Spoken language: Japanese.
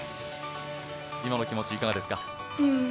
今の気持ちいかがですか？